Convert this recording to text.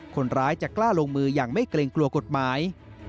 คนร้ายจะกล้าลงมืออย่างไม่เกรงกลัวกฎหมาย